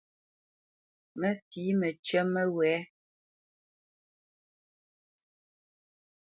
Mə fǐ məcyə́ mənɛ ndɔ́ ŋkwɛʼnə́ nzó məwɛ̌ zénə́.